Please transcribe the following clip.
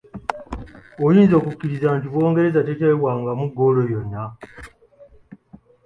Oyinza okukikkiriza nti Bungereza teteebwangamu ggoolo yonna?